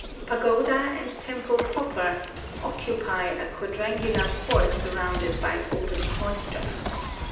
Pa goda and temple proper occupy a quadrangu 156 IN OSAKA lar court surrounded by an open cloister.